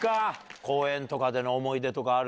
公園とかでの思い出とかある？